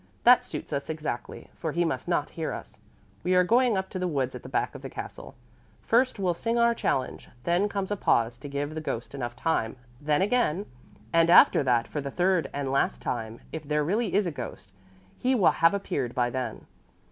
That suits us exactly, for he must not hear us. We are going up to the woods at the back of the castle. First, we'll sing our challenge, then comes the pause, to give the ghost enough time, then again and after that for the third and last time. If there really is a ghost, he will have appeared by then.